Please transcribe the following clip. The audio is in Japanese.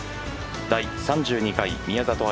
第３２回宮里藍